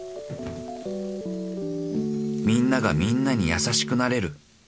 ［みんながみんなに優しくなれる］